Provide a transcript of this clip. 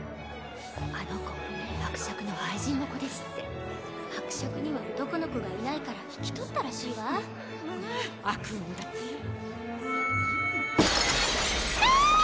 あの子伯爵の愛人の子ですって伯爵には男の子がいないから引き取ったらしいわまあ悪ガシャン！